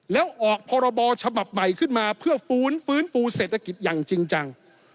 แล้วออกพรบฉบับใหม่ขึ้นมาเพื่อฟื้นฟื้นฟูเศรษฐกิจอย่างจริงจัง